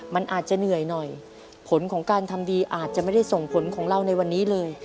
มันอาจจะเหนื่อยหน่อยผลของการทำดีอาจจะไม่ได้ส่งผลของเราในวันนี้เลย